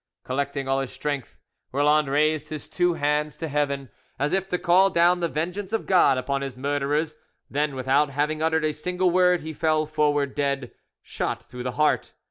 Collecting all his strength, Roland raised his two hands to Heaven, as if to call down the vengeance of God upon his murderers, then, without having uttered a single word, he fell forward dead, shot through the heart.